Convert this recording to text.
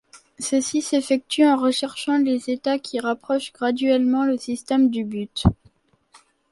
Ceci s’effectue en recherchant les états qui rapprochent graduellement le système du but.